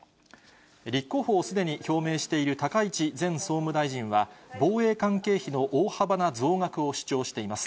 立候補をすでに表明している高市前総務大臣は、防衛関係費の大幅な増額を主張しています。